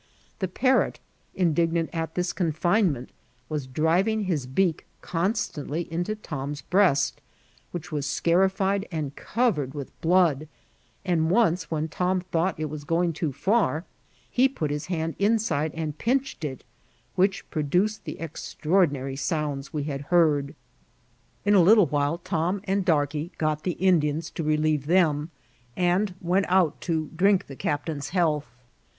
The parrot, indignant at this ccmfinement, was driving his beak *confitontly into Tcnn's breast, which was scarified and coTered with blood ; and once, when Tom thot^t it was going too £ur, he put his hand inside and pinched it, which produced the eictraordina ry sounds we had heard. In a little while Tom and Darkey got the Indians to relieve them, and went out to drink the captain's health.